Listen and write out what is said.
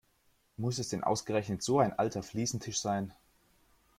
Muss es denn ausgerechnet so ein alter Fliesentisch sein?